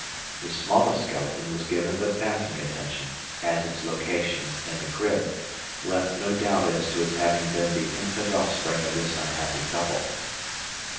The smallest skeleton was given but passing attention, as its location, in the crib, left no doubt as to its having been the infant offspring of this unhappy couple.